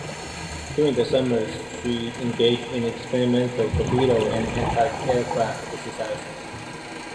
During the summer she engaged in experimental torpedo and antiaircraft exercises.